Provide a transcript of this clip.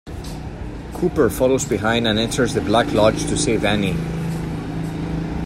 Cooper follows behind and enters the Black Lodge to save Annie.